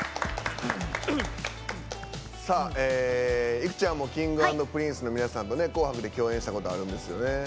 いくちゃんもＫｉｎｇ＆Ｐｒｉｎｃｅの皆さんと「紅白」で共演したことあるんですよね。